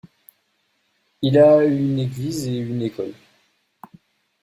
Il a une église et une école.